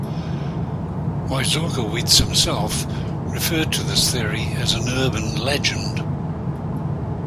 Wieczorkiewicz himself referred to this theory as an urban legend.